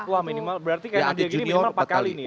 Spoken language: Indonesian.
wah minimal berarti kayaknya dia gini minimal empat kali nih ya